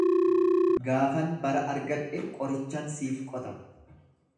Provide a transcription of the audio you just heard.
Gaafan bara argadhe qorichan siif qota.